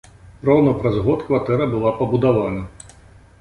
Роўна праз год кватэра была пабудавана.